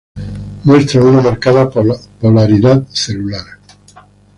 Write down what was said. Muestran una marcada polaridad celular.